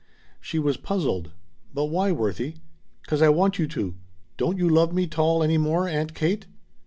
She was puzzled. "But why, Worthie?" "Cause I want you to. Don't you love me 't all any more, Aunt Kate?"